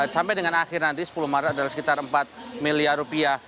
sampai dengan akhir nanti sepuluh maret adalah sekitar empat miliar rupiah